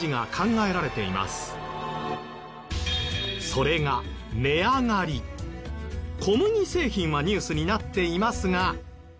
それが小麦製品はニュースになっていますが。